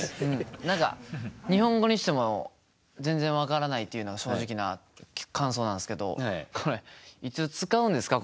何か日本語にしても全然分からないっていうのが正直な感想なんですけどこれいつ使うんですか？